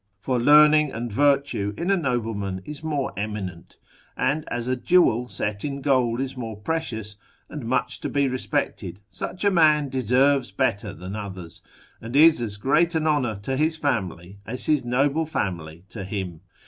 For learning and virtue in a nobleman is more eminent, and, as a jewel set in gold is more precious, and much to be respected, such a man deserves better than others, and is as great an honour to his family as his noble family to him.